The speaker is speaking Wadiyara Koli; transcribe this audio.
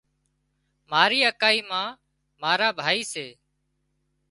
مارِي اڪائي مان مارا ڀائي سي